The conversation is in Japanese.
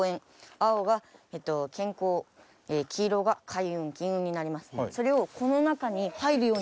青が健康黄色が開運・金運になります。